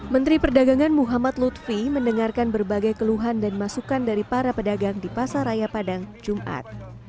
menteri perdagangan muhammad lutfi mendengarkan berbagai keluhan dan masukan dari para pedagang di pasar raya padang jumat